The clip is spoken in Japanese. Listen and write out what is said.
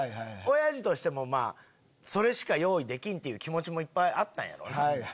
親父もそれしか用意できんって気持ちもいっぱいあったんやろ。